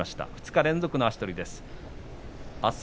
２日連続の足取りです。